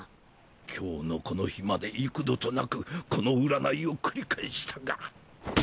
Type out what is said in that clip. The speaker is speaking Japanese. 今日のこの日まで幾度となくこの占いを繰り返したが。